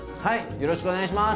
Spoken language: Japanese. よろしくお願いします。